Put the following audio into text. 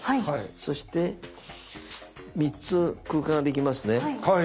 そして３つ空間ができますね。